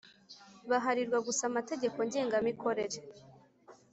biharirwa gusa Amategeko ngenga mikorere